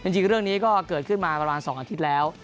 จริงเรื่องนี้ก็เกิดขึ้นมาประมาณ๒อาทิตย์แล้ว